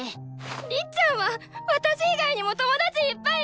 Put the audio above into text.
りっちゃんは私以外にも友達いっぱいいるじゃん！